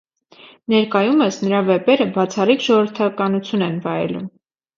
Ներկայումս նրա վեպերը բացառիկ ժողովրդականություն են վայելում։